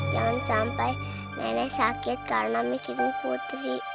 jangan sampai nenek sakit karena bikin putri